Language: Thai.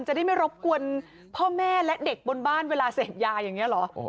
จะได้ไม่รบกวนพ่อแม่และเด็กบนบ้านเวลาเสพยาอย่างนี้เหรอ